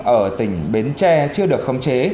ở tỉnh bến tre chưa được khống chế